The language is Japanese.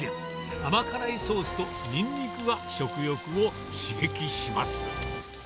甘辛いソースとニンニクが食欲を刺激します。